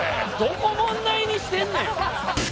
どこ問題にしてんねん！